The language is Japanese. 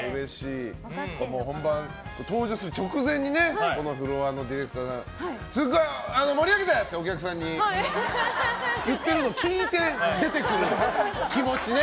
本番、登場する直前にこのフロアのディレクターさんに盛り上げて！って、お客さんに言ってるのを聞いて出てくる気持ちね。